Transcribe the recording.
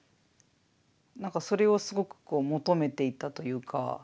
何かそれをすごく求めていたというか。